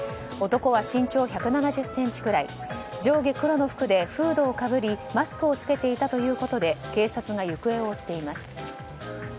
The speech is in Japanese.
男は身長１７０ｃｍくらい上下黒の服でフードをかぶりマスクを着けていたということで警察が行方を追っています。